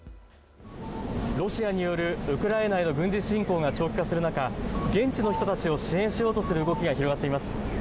ロシアによるウクライナへの軍事侵攻が長期化する中、現地の人たちを支援しようという動きが広がっています。